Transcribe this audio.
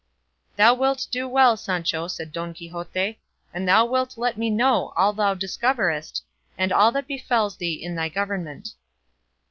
"Thou wilt do well, Sancho," said Don Quixote, "and thou wilt let me know all thou discoverest, and all that befalls thee in thy government."